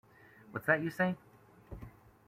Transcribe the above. What's that you say?